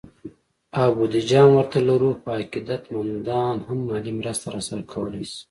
او بودیجه هم ورته لرو، خو عقیدت مندان هم مالي مرسته راسره کولی شي